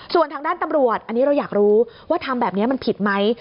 ส่วนทางด้านตำรวจอันนี้เราอยากรู้ว่าทำแบบนี้มันผิดไหม